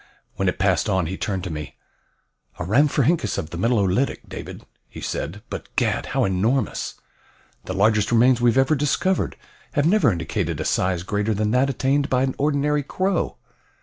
When it passed on, he turned to me. "A rhamphorhynchus of the Middle Olitic, David," he said, "but, gad, how enormous! The largest remains we ever have discovered have never indicated a size greater than that attained by an ordinary crow."